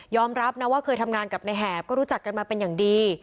รับนะว่าเคยทำงานกับในแหบก็รู้จักกันมาเป็นอย่างดี